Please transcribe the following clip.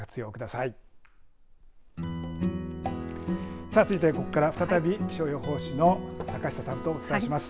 さあ続いてここから再び気象予報士の坂下さんとお伝えします。